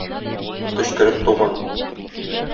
Төчкереп туган.